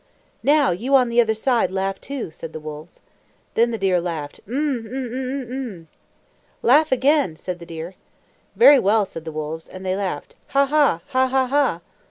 "Now you on the other side laugh, too," said the wolves. Then the deer laughed, "Mm, mm, mm, mm, mm!" "Laugh again," said the deer. "Very well," said the wolves, and they laughed, "Ha, ha, ha, ha, ha!"